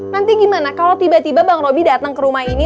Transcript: nanti gimana kalau tiba tiba bang roby datang ke rumah ini